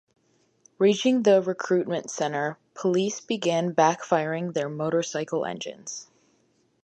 Reaching the recruitment center, police began backfiring their motorcycle engines.